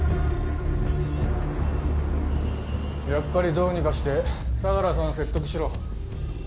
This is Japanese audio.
やっぱりどうにかして相良さん説得しろ。